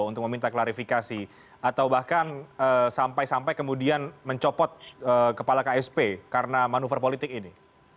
untuk meminta klarifikasi atau bahkan sampai sampai kemudian mencopot kepala ksp karena manuver politik ini